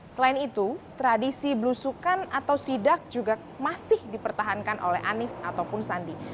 selain itu tradisi belusukan atau sidak juga masih dipertahankan oleh anies ataupun sandi